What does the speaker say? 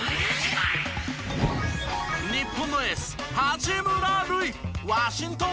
日本のエース。